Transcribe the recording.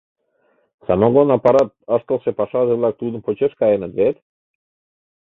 Самогон аппарат ыштылше пашазе-влак тудын почеш каеныт вет?